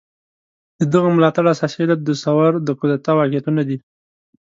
د دغه ملاتړ اساسي علت د ثور د کودتا واقعيتونه دي.